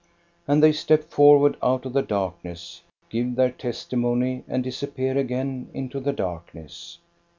And they step forward out of the darkness, give their testimony, and disappear again into the darkness.